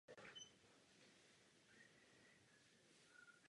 Výpis musí obsahovat náležitosti původního receptu.